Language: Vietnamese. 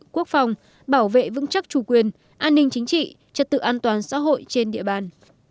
quốc phòng bảo vệ vững chắc chủ quyền an ninh chính trị trật tự an toàn xã hội trên địa bàn